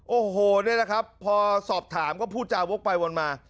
โอ้โหนี่แหละครับพอสอบถามก็พูดจาวกไปวนมา